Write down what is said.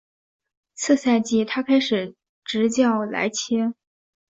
次赛季他开始执教莱切。